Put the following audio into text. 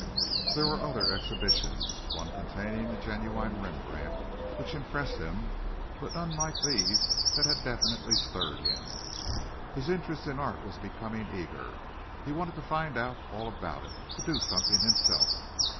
There were other exhibitions one containing a genuine Rembrandt which impressed him, but none like these that had definitely stirred him. His interest in art was becoming eager. He wanted to find out all about it to do something himself.